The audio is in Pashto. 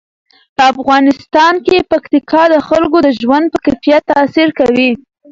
په افغانستان کې پکتیکا د خلکو د ژوند په کیفیت تاثیر کوي.